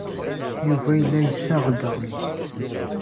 Yuba yella yessaɣ-d aɣmis.